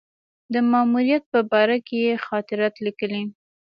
د ماموریت په باره کې یې خاطرات لیکلي.